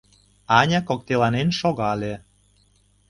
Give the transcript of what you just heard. Аня коктеланен шогале.